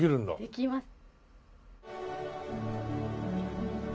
できます。